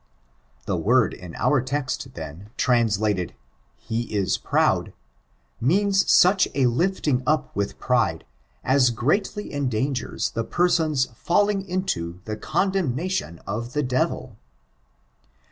The word in our text, then, translated ''he is proud,'* means such a lifting up with pride, as greatly endangers the person's falling into the condemnation of the devil.